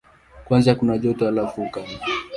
Kwanza kuna joto, halafu ukame.